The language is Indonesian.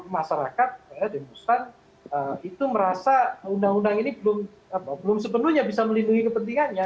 masyarakat demonstran itu merasa undang undang ini belum sepenuhnya bisa melindungi kepentingannya